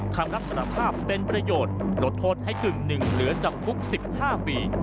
คำรับสารภาพเป็นประโยชน์ลดโทษให้กึ่งหนึ่งเหลือจำคุก๑๕ปี